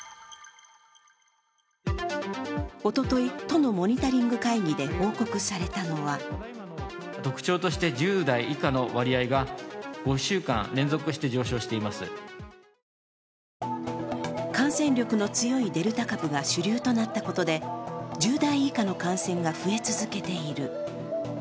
おととい、都のモニタリング会議で報告されたのは感染力の強いデルタ株が主流となったことで１０代以下の感染が増え続けている。